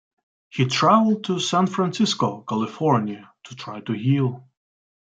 He traveled to San Francisco, California to try to heal.